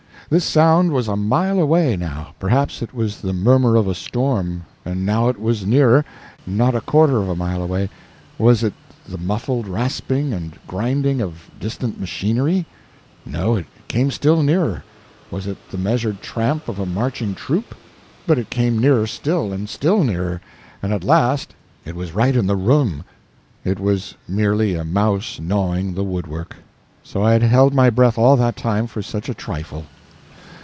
This sound was a mile away, now perhaps it was the murmur of a storm; and now it was nearer not a quarter of a mile away; was it the muffled rasping and grinding of distant machinery? No, it came still nearer; was it the measured tramp of a marching troop? But it came nearer still, and still nearer and at last it was right in the room: it was merely a mouse gnawing the woodwork. So I had held my breath all that time for such a trifle.